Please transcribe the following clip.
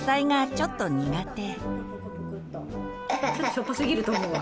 ちょっとしょっぱすぎると思うわ。